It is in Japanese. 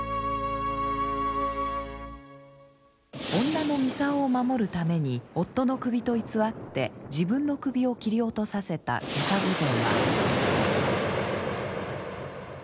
女の操を守るために夫の首と偽って自分の首を斬り落とさせた袈裟御前は。